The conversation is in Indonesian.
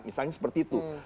misalnya seperti itu